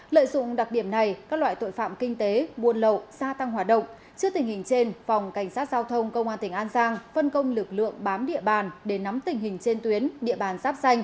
lợi dụng đặc điểm này các loại tội phạm kinh tế buôn lậu xa tăng hỏa động